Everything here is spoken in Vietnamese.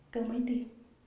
kêu mấy tiếng